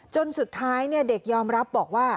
จนสุดท้ายเด็กยอมรับบอกว่า